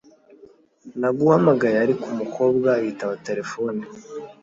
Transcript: Namuhamagaye, ariko umukobwa yitaba terefone.